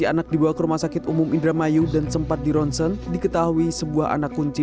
anak dibawa ke rumah sakit umum indramayu dan sempat dironsen diketahui sebuah anak kunci